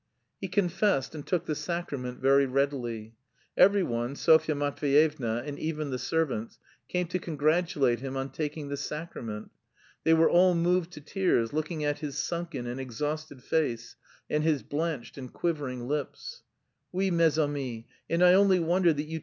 He confessed and took the sacrament very readily. Every one, Sofya Matveyevna, and even the servants, came to congratulate him on taking the sacrament. They were all moved to tears looking at his sunken and exhausted face and his blanched and quivering lips. "Oui, mes amis, and I only wonder that you...